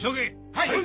はい！